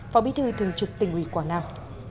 phó bí thư thường trực tỉnh uỷ quảng nam